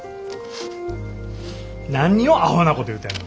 何をアホなこと言うてんの。